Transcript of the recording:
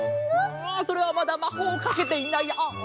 ああそれはまだまほうをかけていないあっあっ。